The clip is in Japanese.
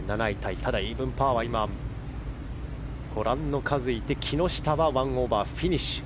ただ、イーブンパーがご覧の数がいて木下は１オーバーフィニッシュ。